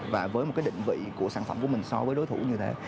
và với một cái định vị của sản phẩm của mình so với đối thủ như thế